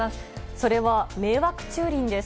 それは迷惑駐輪です。